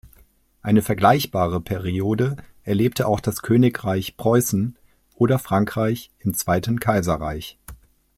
Eine vergleichbare Periode erlebte auch das Königreich Preußen oder Frankreich im Zweiten Kaiserreich.